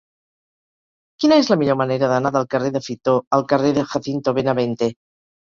Quina és la millor manera d'anar del carrer de Fitor al carrer de Jacinto Benavente?